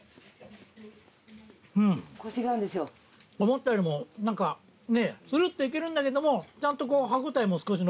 思ったよりも何かねつるっていけるんだけどもちゃんとこう歯応えも少し残ってて。